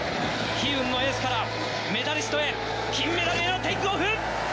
悲運のエースからメダリストへ、金メダルへのテークオフ！